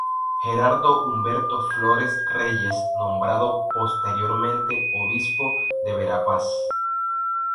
Gerardo Humberto Flores Reyes, nombrado posteriormente Obispo de Verapaz.